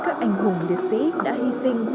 các anh hùng liệt sĩ đã hy sinh